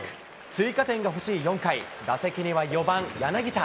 追加点が欲しい４回、打席には４番柳田。